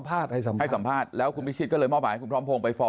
มาให้สัมภาษณ์แล้วคุณวิชิตก็เลยมอบหาคุณท้อมพงษ์ไปฟ้อง